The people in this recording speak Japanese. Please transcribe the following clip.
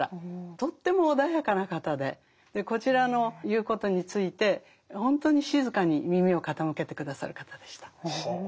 とっても穏やかな方でこちらの言うことについて本当に静かに耳を傾けて下さる方でした。